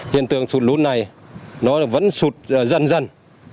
hiện tượng sụt lún này nó vẫn sụt dần